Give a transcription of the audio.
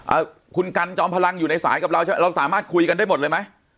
อ่าคุณกันจอมพลังอยู่ในสายกับเราเราสามารถคุยกันได้หมดเลยไหม